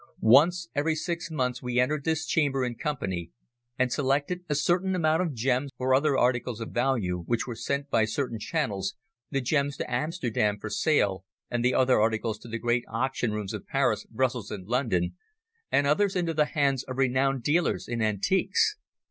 Once every six months we entered this chamber in company and selected a certain amount of gems and other articles of value which were sent by certain channels the gems to Amsterdam for sale and the other articles to the great auction rooms of Paris, Brussels and London, and others into the hands of renowned dealers in antiques.